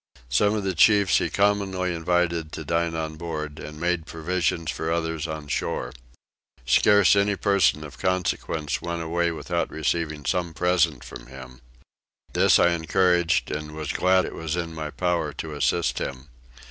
Some of the chiefs he commonly invited to dine on board, and made provision for others on shore. Scarce any person of consequence went away without receiving some present from him. This I encouraged and was glad it was in my power to assist him.